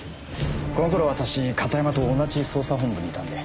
この頃私片山と同じ捜査本部にいたんで。